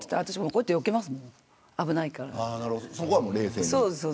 こうやってよけますもん危ないから。